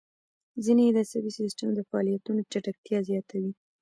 ځینې یې د عصبي سیستم د فعالیتونو چټکتیا زیاتوي.